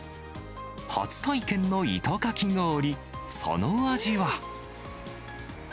初体験の糸かき氷、その味は。